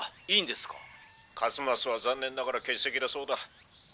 「一益は残念ながら欠席だそうだ。